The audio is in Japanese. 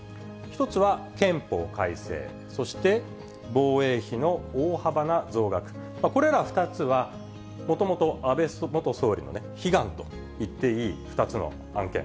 １つは憲法改正、そして防衛費の大幅な増額、これら２つは、もともと安倍元総理の悲願と言っていい２つの案件。